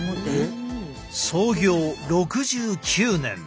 創業６９年。